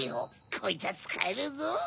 こいつはつかえるぞ！